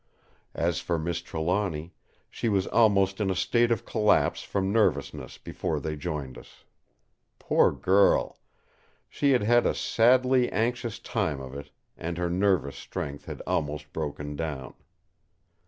As for Miss Trelawny, she was almost in a state of collapse from nervousness before they joined us. Poor girl! she had had a sadly anxious time of it, and her nervous strength had almost broken down.